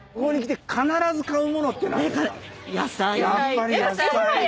やっぱり野菜。